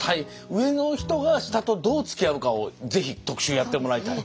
上の人が下とどうつきあうかをぜひ特集やってもらいたい。